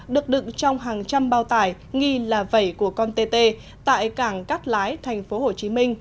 được đựng trong hàng trăm bao tải nghi là vẩy của con tt tại cảng cát lái tp hcm